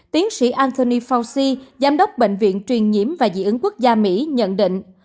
tiến sĩ anthony fauci giám đốc bệnh viện truyền nhiễm và dị ứng quốc gia mỹ nhận định